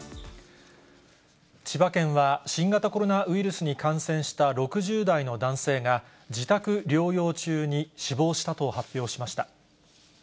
千葉県は、新型コロナウイルスに感染した６０代の男性が、自宅療養中に死亡したと発表しました。